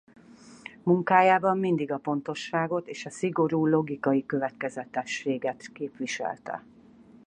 Munkájában mindig a pontosságot és a szigorú logikai következetességet képviselte.